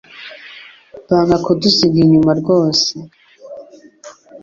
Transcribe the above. Banga kudusiga inyuma rwose